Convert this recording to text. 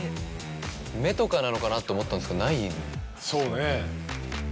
目とかなのかなと思ったんですけどないですよね。